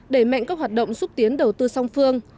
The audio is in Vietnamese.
đẩy mạnh các hoạt động xúc tiến đầu tư song phương